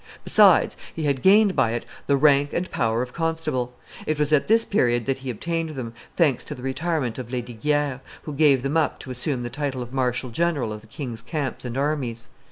Besides, he had gained by it the rank and power of constable; it was at this period that he obtained them, thanks to the retirement of Lesdiguieres, who gave them up to assume the title of marshal general of the king's camps and armies.